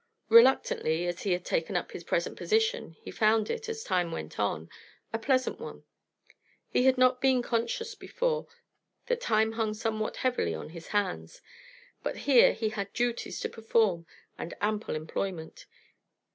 Reluctantly as he had taken up his present position, he found it, as time went on, a pleasant one. He had not been conscious before that time hung somewhat heavily on his hands, but here he had duties to perform and ample employment.